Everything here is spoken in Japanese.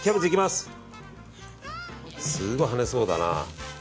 すごいはねそうだな。